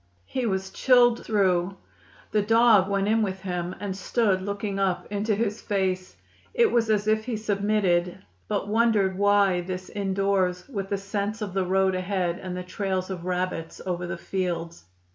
He was chilled through. The dog went in with him, and stood looking up into his face. It was as if he submitted, but wondered why this indoors, with the scents of the road ahead and the trails of rabbits over the fields.